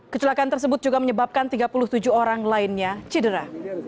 kecelakaan tersebut juga menyebabkan tiga puluh tujuh orang lainnya cedera